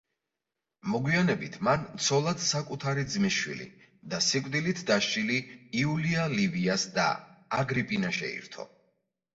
მოგვიანებით, მან ცოლად საკუთარი ძმისშვილი და სიკვდილით დასჯილი იულია ლივიას და, აგრიპინა შეირთო.